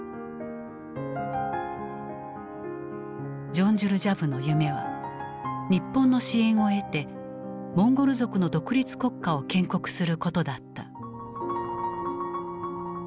ジョンジュルジャブの夢は日本の支援を得てモンゴル族の独立国家を建国することだった。